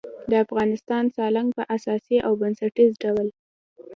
د افغانستان سالنګ په اساسي او بنسټیز ډول